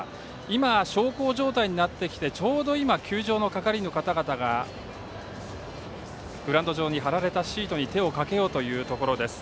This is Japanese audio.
今、小康状態になってきてちょうど今、球場の係員の方々がグラウンド上に張られたシートに手をかけようというところです。